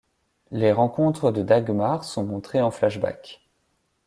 Les rencontres de Dagmar sont montrées en flashbacks...